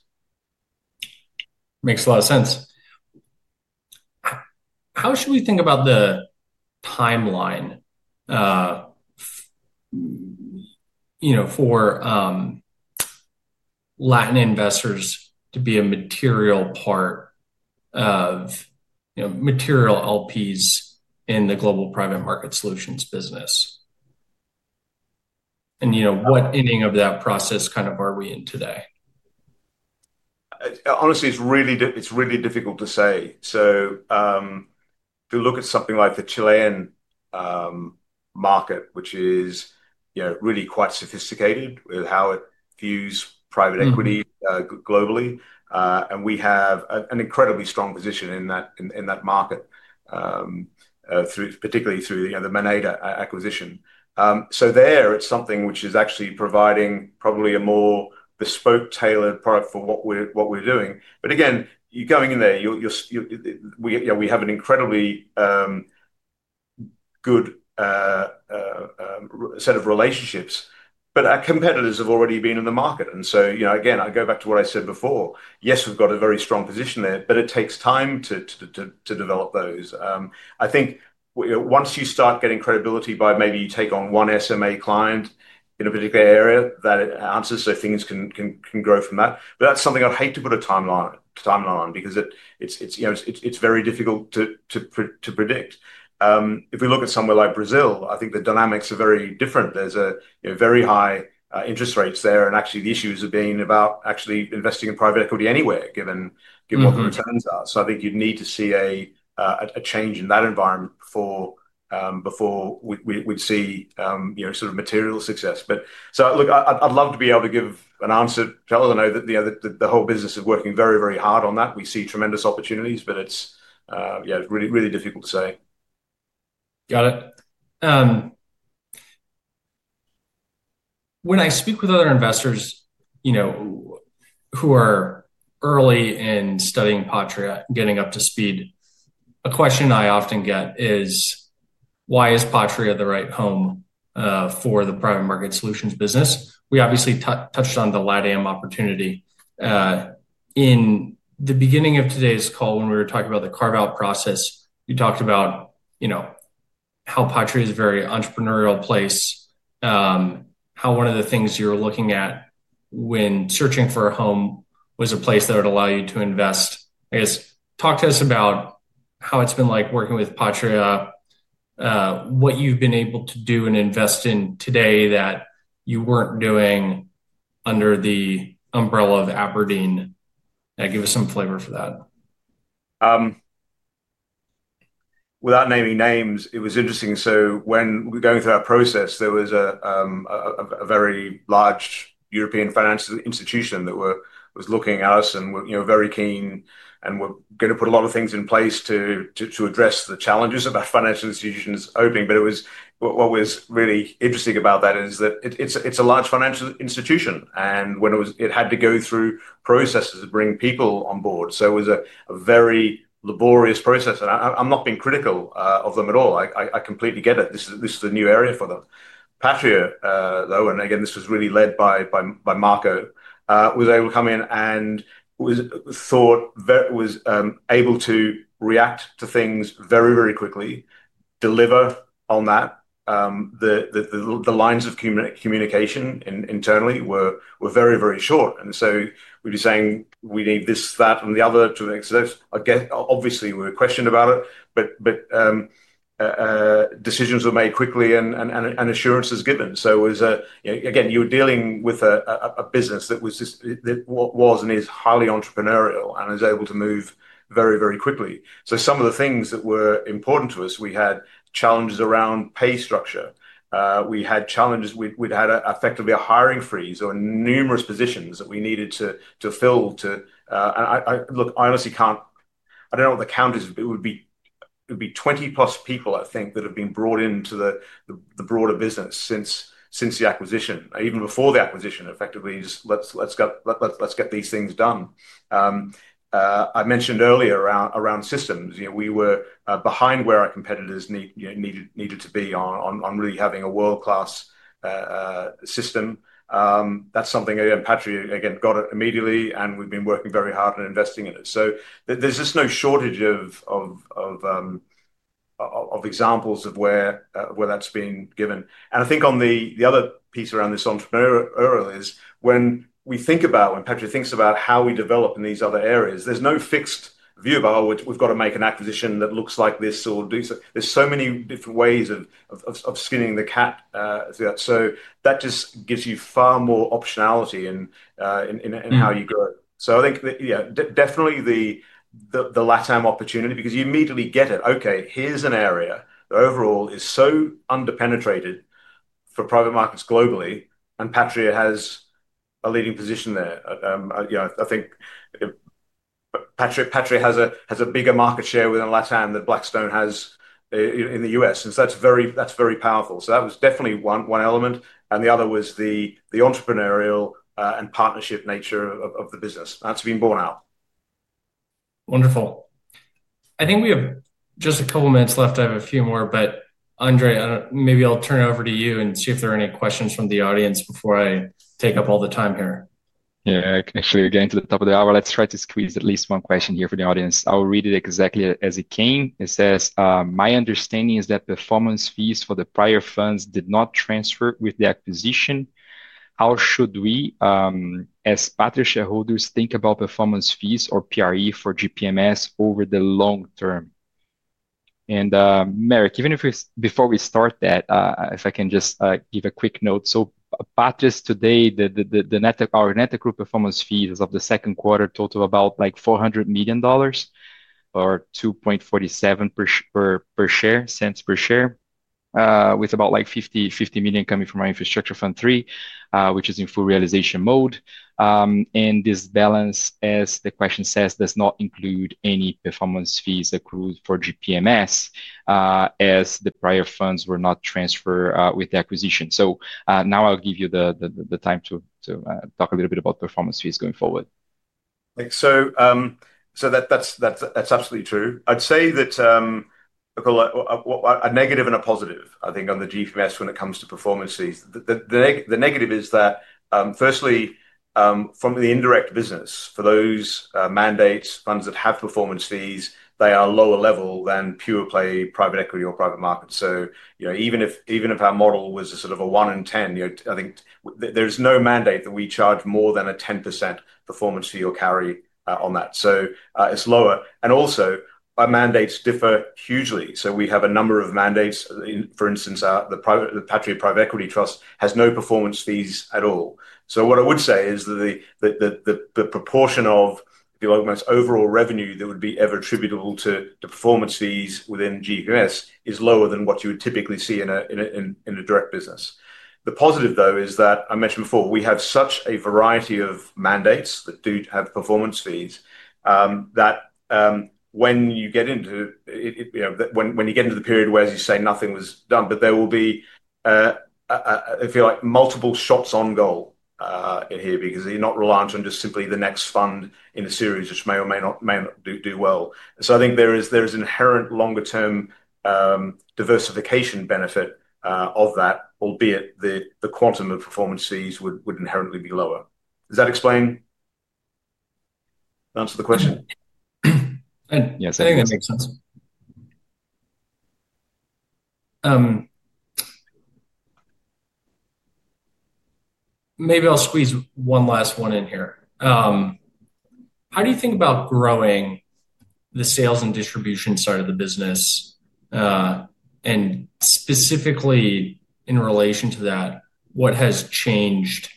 Makes a lot of sense. How should we think about the timeline for LATAM investors to be a material part of, you know, material LPs in the Global Private Markets Solutions business? What ending of that process kind of are we in today? Honestly, it's really difficult to say. If you look at something like the Chilean market, which is really quite sophisticated with how it views private equity globally, we have an incredibly strong position in that market, particularly through the Moneda acquisition. There, it's something which is actually providing probably a more bespoke, tailored product for what we're doing. You're going in there, we have an incredibly good set of relationships, but our competitors have already been in the market. I go back to what I said before. Yes, we've got a very strong position there, but it takes time to develop those. I think once you start getting credibility by maybe you take on one SMA client in a particular area, that answers, so things can grow from that. That's something I'd hate to put a timeline on because it's very difficult to predict. If we look at somewhere like Brazil, I think the dynamics are very different. There's very high interest rates there, and actually the issues have been about actually investing in private equity anywhere, given what the returns are. I think you'd need to see a change in that environment before we'd see sort of material success. I'd love to be able to give an answer, tell everyone that the whole business is working very, very hard on that. We see tremendous opportunities, but it's really, really difficult to say. Got it. When I speak with other investors who are early in studying Patria, getting up to speed, a question I often get is, why is Patria the right home for the private market solutions business? We obviously touched on the LATAM opportunity. In the beginning of today's call, when we were talking about the carve-out process, you talked about how Patria is a very entrepreneurial place, how one of the things you were looking at when searching for a home was a place that would allow you to invest. I guess talk to us about how it's been like working with Patria, what you've been able to do and invest in today that you weren't doing under the umbrella of Aberdeen. Give us some flavor for that. Without naming names, it was interesting. When we were going through that process, there was a very large European financial institution that was looking at us and were very keen and were going to put a lot of things in place to address the challenges of that financial institution's opening. What was really interesting about that is that it's a large financial institution and it had to go through processes to bring people on board. It was a very laborious process and I'm not being critical of them at all. I completely get it. This is a new area for them. Patria, though, and again, this was really led by Marco, was able to come in and was able to react to things very, very quickly, deliver on that. The lines of communication internally were very, very short. We'd be saying we need this, that, and the other to access. Obviously, we were questioned about it, but decisions were made quickly and assurances given. You were dealing with a business that was and is highly entrepreneurial and is able to move very, very quickly. Some of the things that were important to us, we had challenges around pay structure. We had challenges, we'd had effectively a hiring freeze on numerous positions that we needed to fill. I honestly can't, I don't know what the count is, but it would be 20+ people, I think, that have been brought into the broader business since the acquisition, even before the acquisition, effectively just let's get these things done. I mentioned earlier around systems, we were behind where our competitors needed to be on really having a world-class system. That's something Patria, again, got immediately and we've been working very hard on investing in it. There's just no shortage of examples of where that's been given. I think on the other piece around this entrepreneurial is when we think about, when Patria thinks about how we develop in these other areas, there's no fixed view about, oh, we've got to make an acquisition that looks like this or do so. There are so many different ways of skinning the cat through that. That just gives you far more optionality in how you go. I think, yeah, definitely the LATAM opportunity because you immediately get it. Here's an area that overall is so underpenetrated for private markets globally, and Patria has a leading position there. I think Patria has a bigger market share within LATAM than Blackstone has in the U.S. That is very powerful. That was definitely one element. The other was the entrepreneurial and partnership nature of the business. That's been borne out. Wonderful. I think we have just a couple of minutes left. I have a few more, but Andre, maybe I'll turn it over to you and see if there are any questions from the audience before I take up all the time here. Yeah, okay. You're getting to the top of the hour. Let's try to squeeze at least one question here for the audience. I'll read it exactly as it came. It says, my understanding is that performance fees for the prior funds did not transfer with the acquisition. How should we, as Patria shareholders, think about performance fees or PRE for GPMS over the long term? Merrick, even before we start that, if I can just give a quick note. Patria's net performance fees for the second quarter total about $400 million or $2.47 per share, with about $50 million coming from our Infrastructure Fund III, which is in full realization mode. This balance, as the question says, does not include any performance fees accrued for GPMS as the prior funds were not transferred with the acquisition. I'll give you the time to talk a little bit about performance fees going forward. Thanks. That's absolutely true. I'd say that a negative and a positive, I think, on the GPMS when it comes to performance fees. The negative is that, firstly, from the indirect business, for those mandates, funds that have performance fees, they are lower level than pure play private equity or private markets. Even if our model was a sort of a one in 10, I think there's no mandate that we charge more than a 10% performance fee or carry on that. It's lower. Also, our mandates differ hugely. We have a number of mandates. For instance, the Patria Private Equity Trust has no performance fees at all. What I would say is that the proportion of the most overall revenue that would be ever attributable to the performance fees within GPMS is lower than what you would typically see in a direct business. The positive, though, is that I mentioned before, we have such a variety of mandates that do have performance fees that when you get into, you know, when you get into the period where, as you say, nothing was done, but there will be, I feel like, multiple shots on goal here because you're not reliant on just simply the next fund in the series, which may or may not do well. I think there is inherent longer-term diversification benefit of that, albeit the quantum of performance fees would inherently be lower. Does that explain? Answer the question. Yeah, I think that makes sense. Maybe I'll squeeze one last one in here. How do you think about growing the sales and distribution side of the business? Specifically in relation to that, what has changed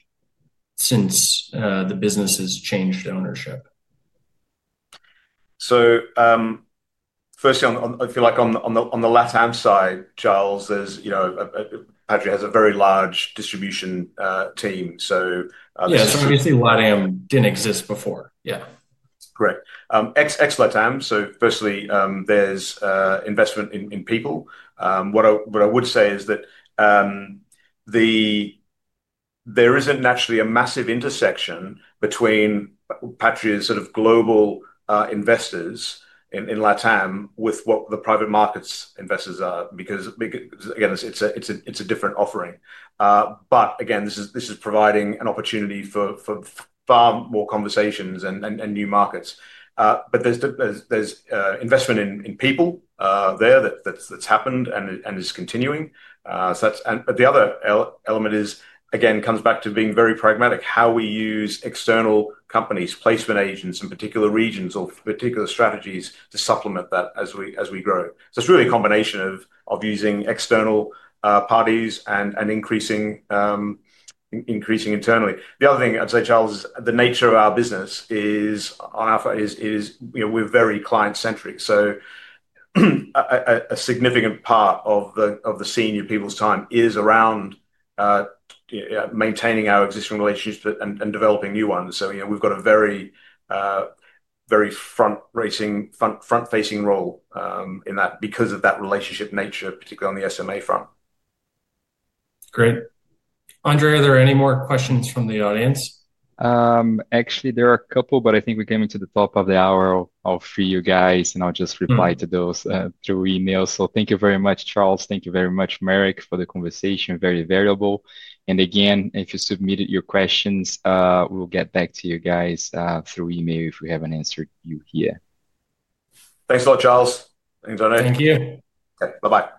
since the business has changed ownership? Firstly, I feel like on the LATAM side, Charles, there's, you know, Patria has a very large distribution team. Yeah, obviously LATAM didn't exist before. Yeah. Correct. Ex-LATAM, firstly, there's investment in people. What I would say is that there isn't naturally a massive intersection between Patria's sort of global investors in LATAM with what the private markets investors are because, again, it's a different offering. This is providing an opportunity for far more conversations and new markets. There's investment in people there that's happened and is continuing. The other element comes back to being very pragmatic. How we use external companies, placement agents in particular regions or particular strategies to supplement that as we grow. It's really a combination of using external parties and increasing internally. The other thing I'd say, Charles, is the nature of our business is we're very client-centric. A significant part of the senior people's time is around maintaining our existing relationships and developing new ones. We've got a very, very front-facing role in that because of that relationship nature, particularly on the SMA front. Great. Andre, are there any more questions from the audience? Actually, there are a couple, but I think we're coming to the top of the hour. I'll free you guys and I'll just reply to those through email. Thank you very much, Charles. Thank you very much, Merrick, for the conversation. Very valuable. Again, if you submitted your questions, we'll get back to you guys through email if we haven't answered you here. Thanks a lot, Charles. Thank you. Bye-bye.